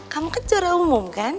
kamu kan juara umum kan